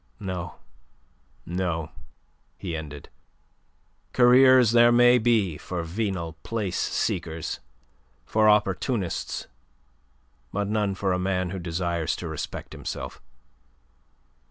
No, no," he ended. "Careers there may be for venal place seekers, for opportunists; but none for a man who desires to respect himself.